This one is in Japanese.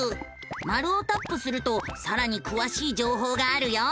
マルをタップするとさらにくわしい情報があるよ。